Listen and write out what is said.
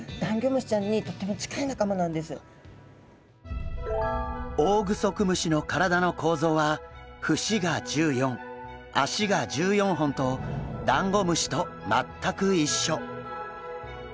実はこのオオグソクムシの体の構造は節が１４脚が１４本とダンゴムシと全く一緒。